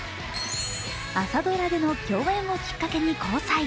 朝ドラでの共演をきっかけに交際。